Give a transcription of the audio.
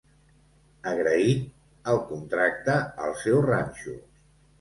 Agraït, el contracta al seu ranxo.